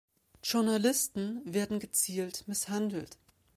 Journalisten werden gezielt misshandelt.